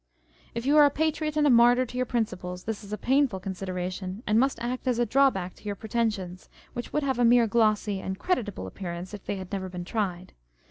If you are a patriot and a martyr to your principles, this is a painful considera tion, and must act as a drawback to your pretensions, which would have a more glossy and creditable appear ance, if they had never been tried.